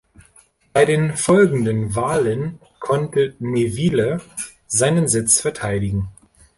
Bei den folgenden Wahlen konnte Neville seinen Sitz verteidigen.